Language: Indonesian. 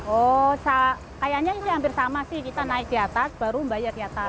oh kayaknya ini hampir sama sih kita naik di atas baru membayar di atas